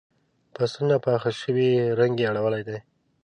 فصلونه پاخه شوي رنګ یې اړولی دی.